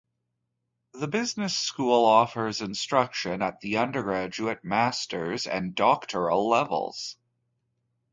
The business school offers instruction at the undergraduate, master's, and doctoral levels.